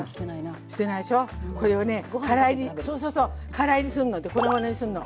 から炒りするの。で粉々にするの。